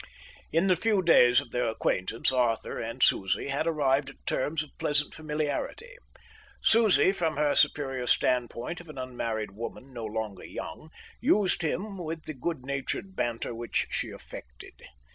In the few days of their acquaintance Arthur and Susie had arrived at terms of pleasant familiarity. Susie, from her superior standpoint of an unmarried woman no longer young, used him with the good natured banter which she affected.